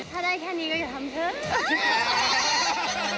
ถ้าได้แค่นี้ก็อย่าทำเถอะ